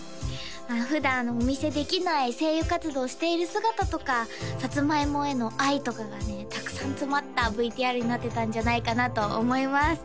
普段お見せできない声優活動している姿とかさつまいもへの愛とかがねたくさん詰まったＶＴＲになってたんじゃないかなと思います